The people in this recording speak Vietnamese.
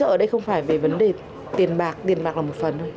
hỗ trợ ở đây không phải về vấn đề tiền bạc tiền bạc là một phần thôi